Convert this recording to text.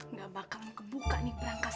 nggak bakal ngebuka nih prangkas